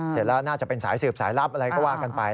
เสร็จแล้วน่าจะเป็นสายสืบสายลับอะไรก็ว่ากันไป